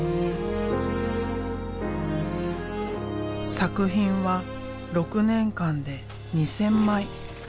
作品は６年間で２，０００枚。